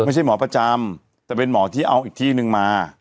ไม่ใช่หมอประจำแต่เป็นหมอที่เอาอีกที่นึงมา